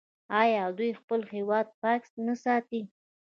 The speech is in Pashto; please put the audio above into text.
آیا دوی خپل هیواد پاک نه ساتي؟